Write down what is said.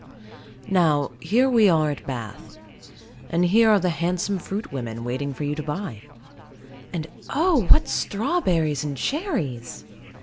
Now, here we are at Bath; and here are the handsome fruit women, waiting for you to buy. And oh, what strawberries and cherries!